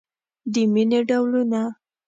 د مینې ډولونه